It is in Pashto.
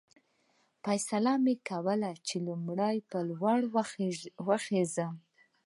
فیصله مې وکړل چې لومړی به لوړ وخېژم.